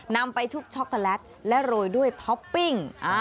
นำไปชุบช็อกโกแลตและโรยด้วยท็อปปิ้ง